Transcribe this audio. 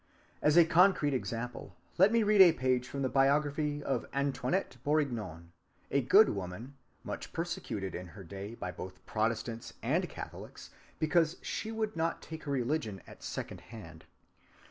As a concrete example let me read a page from the biography of Antoinette Bourignon, a good woman, much persecuted in her day by both Protestants and Catholics, because she would not take her religion at second hand.